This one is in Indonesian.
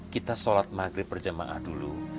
kita sholat maghrib berjamaah dulu